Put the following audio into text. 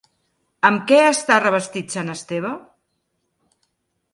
Amb què està revestit sant Esteve?